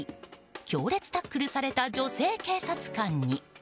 強烈タックルされた女性警察官に。